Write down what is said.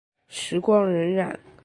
时光荏苒。